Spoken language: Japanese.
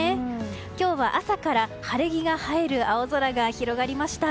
今日は朝から晴れ着が映える青空が広がりました。